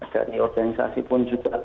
dari organisasi pun juga